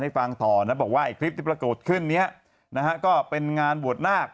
ให้ฟังต่อนะบอกว่าอีกที่ประโยชน์ขึ้นนี้นะก็เป็นงานบวชนาค